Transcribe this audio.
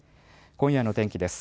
今夜の天気です。